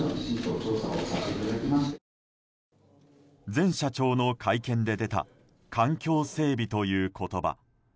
前社長の会見で出た環境整備という言葉。